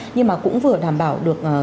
nhưng mà cũng vừa đảm bảo được